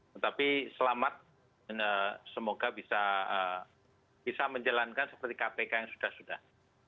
tetapi selamat semoga bisa menjalankan seperti kpk yang sudah sudah